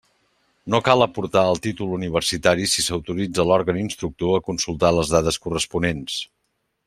No cal aportar el títol universitari si s'autoritza l'òrgan instructor a consultar les dades corresponents.